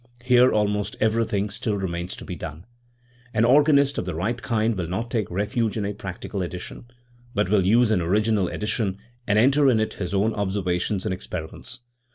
Here almost everything still remains to be done. An organist of the right kind will not take refuge in a practical edition, but will use an original edition, and enter in it his own observations and experiments.